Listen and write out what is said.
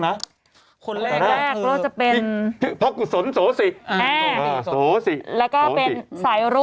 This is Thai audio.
พัครุะศรโสศิ